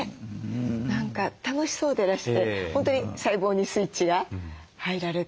何か楽しそうでらして本当に細胞にスイッチが入られてすてきだなと思って。